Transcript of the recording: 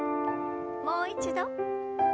もう一度。